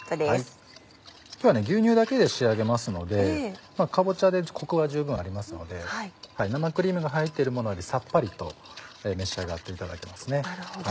今日は牛乳だけで仕上げますのでまぁかぼちゃでコクは十分ありますので生クリームが入ってるものよりさっぱりと召し上がっていただけますね。